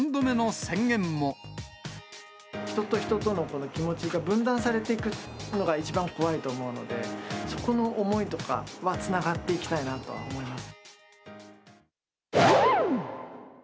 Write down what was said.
人と人との気持ちが分断されていくのが一番怖いと思うので、そこの思いとかはつながっていきたいなとは思います。